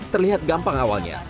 terlihat gampang awalnya